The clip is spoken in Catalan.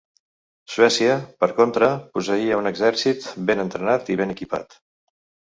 Suècia, per contra, posseïa un exèrcit ben entrenat i ben equipat.